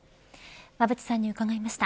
馬渕さんに伺いました。